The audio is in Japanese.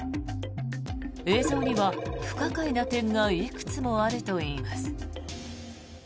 映像には不可解な点がいくつもあるといいます。